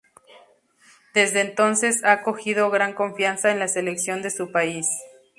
Desde entonces, ha cogido gran confianza en la selección de su país.